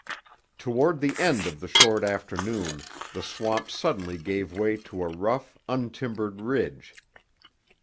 Toward the end of the short afternoon the swamp suddenly gave way to a rough, untimbered ridge.